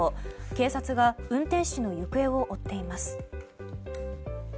警察が運転手の行方を追っています。